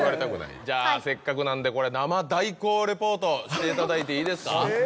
じゃあせっかくなんで生代行リポートしていただいていいですか？